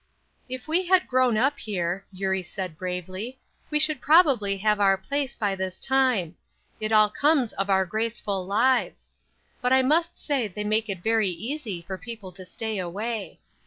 "If we had grown up here," Eurie said, bravely, "we should probably have our place by this time. It all comes of our graceful lives. But I must say they make it very easy for people to stay away.